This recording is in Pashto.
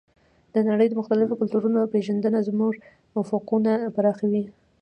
د نړۍ د مختلفو کلتورونو پېژندنه زموږ افقونه پراخوي.